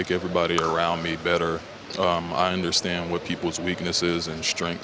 saya berasa bisa membuat semua orang di sekitar saya lebih baik